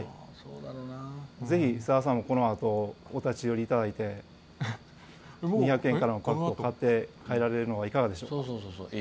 ぜひさださん、このあとお立ち寄りいただいて２００円からのパックを買って帰られるのはいかがでしょうか。